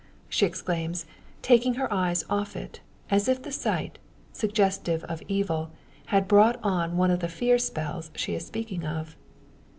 she exclaims, taking her eyes off it, as if the sight, suggestive of evil, had brought on one of the fear spells she is speaking of.